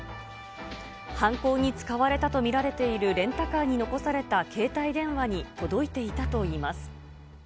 犯行に使われたと見られているレンタカーに残された携帯電話に届いていたといいます。